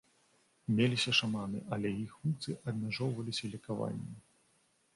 Меліся шаманы, але іх функцыі абмяжоўваліся лекаваннем.